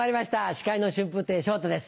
司会の春風亭昇太です。